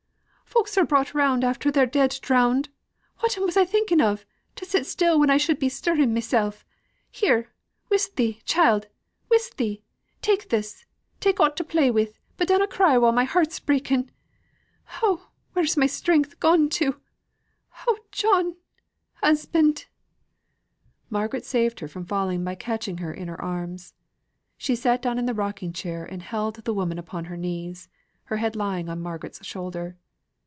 "Folk are brought round after they're dead drowned. Whatten was I thinking of, to sit still when I should be stirring mysel'? Here, whisth thee, child whisth thee! tak' this, tak' aught to play wi', but dunnot cry while my heart's breaking! Oh, where is my strength gone to? Oh John husband!" Margaret saved her from falling by catching her in her arms. She sate down in the rocking chair, and held the woman upon her knees, her head lying on Margaret's shoulder.